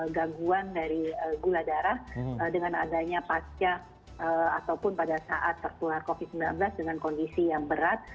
gangguan dari gula darah dengan adanya pasca ataupun pada saat tertular covid sembilan belas dengan kondisi yang berat